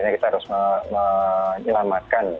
kita harus menyelamatkan